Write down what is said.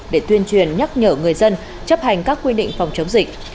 để tuyên truyền nhắc nhở người dân chấp hành các quy định phòng chống dịch